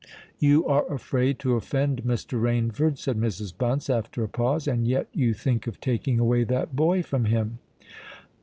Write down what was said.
"You are afraid to offend Mr. Rainford," said Mrs. Bunce, after a pause, "and yet you think of taking away that boy from him."